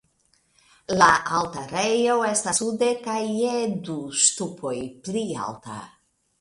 La altarejo estas sude kaj je du ŝtupoj pli alta.